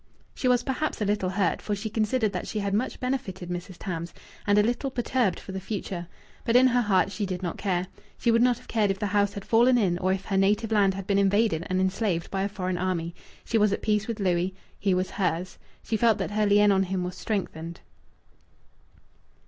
She was perhaps a little hurt (for she considered that she had much benefited Mrs. Tams), and a little perturbed for the future. But in her heart she did not care. She would not have cared if the house had fallen in, or if her native land had been invaded and enslaved by a foreign army. She was at peace with Louis. He was hers. She felt that her lien on him was strengthened.